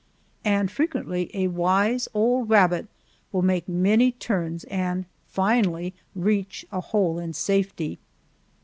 And frequently a wise old rabbit will make many turns and finally reach a hole in safety.